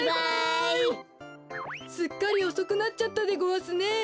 すっかりおそくなっちゃったでごわすね。